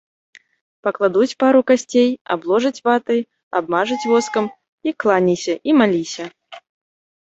Пакладуць пару касцей, абложаць ватай, абмажуць воскам, і кланяйся, і маліся.